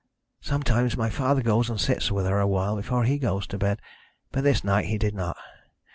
Sometimes my father goes and sits with her a while before he goes to bed, but this night he did not.